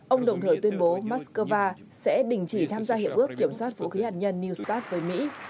ông đồng thời tuyên bố moscow sẽ đình chỉ tham gia hiệp ước kiểm soát vũ khí hạt nhân new start với mỹ